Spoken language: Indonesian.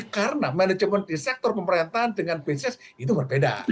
karena manajemen di sektor pemerintahan dengan bisnis itu berbeda